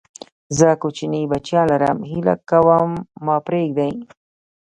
زه کوچني بچيان لرم، هيله کوم ما پرېږدئ!